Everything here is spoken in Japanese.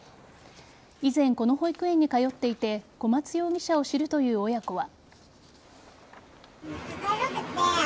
以前、この保育園に通っていて小松容疑者を知るという親子は。